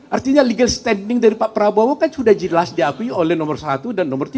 artinya legal standing dari pak prabowo kan sudah jelas diakui oleh nomor satu dan nomor tiga